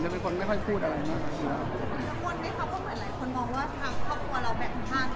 มีทุกคนไหมครับว่าเหมือนหลายคนมองว่าทางครอบครัวเราแบ่งข้างกันเลย